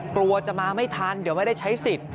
กลัวจะมาไม่ทันเดี๋ยวไม่ได้ใช้สิทธิ์